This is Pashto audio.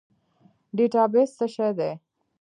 ډیټابیس څه شی دی؟